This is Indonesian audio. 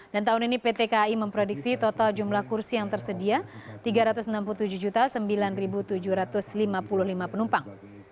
dan tahun ini pt kai memprediksi total jumlah kursi yang tersedia tiga ratus enam puluh tujuh sembilan tujuh ratus lima puluh lima penumpang